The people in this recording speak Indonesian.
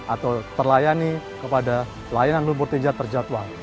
atau terlayani kepada layanan lumpur tinja terjadwal